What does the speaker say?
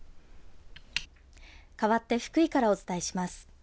かわって福井からお伝えします。